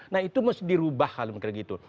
nah itu mesti dirubah hal kira gitu